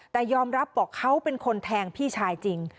แต่ยอมรับบอกเขาเป็นคนแทงพี่ชายจริง